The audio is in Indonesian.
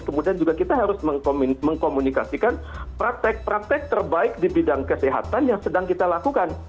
kemudian juga kita harus mengkomunikasikan praktek praktek terbaik di bidang kesehatan yang sedang kita lakukan